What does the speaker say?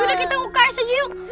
yaudah kita ngukai saja yuk